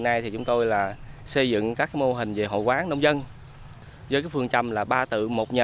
nay thì chúng tôi là xây dựng các mô hình về hội quán nông dân với cái phương trầm là ba tự một nhờ